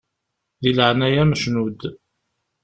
Di leɛnaya-m cnu-d!